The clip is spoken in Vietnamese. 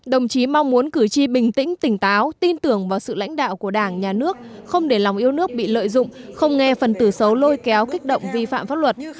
đồng chí mong muốn cử tri bình tĩnh tỉnh táo tin tưởng vào sự lãnh đạo của đảng nhà nước không để lòng yêu nước bị lợi dụng không nghe phần từ xấu lôi kéo kích động vi phạm pháp luật